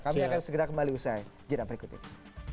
kami akan segera kembali usai jeda berikut ini